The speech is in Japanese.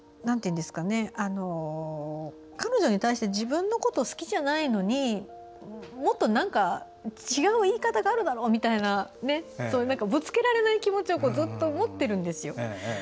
彼女に対して、自分のことを好きじゃないのにもっと何か、違う言い方があるだろうみたいなぶつけられない気持ちをずっと持っているんですよ。